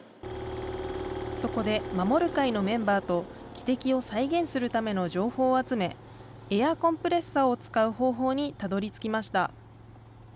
そこで、守る会のメンバーと、汽笛を再現するための情報を集め、エアーコンプレッサーを使う方法にたどりつきました。